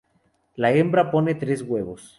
La hembra pone tres huevos.